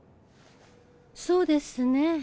そうですね